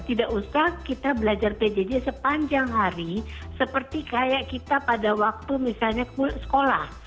tidak usah kita belajar pjj sepanjang hari seperti kayak kita pada waktu misalnya sekolah